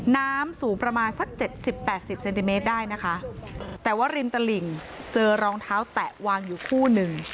น้ามสูงประมาณสัก๗๐๘๐เซนติเมตรได้นะคะแต่ว่าริมตะลิ่งเจอรองเท้าแตะวางอยู่คู่นึง